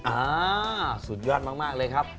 อ่าสุดยอดมากเลยครับ